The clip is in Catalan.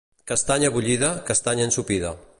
Castanya bullida, castanya ensopida.